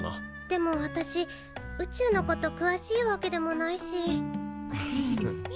でも私宇宙のことくわしいわけでもないし。ははっ。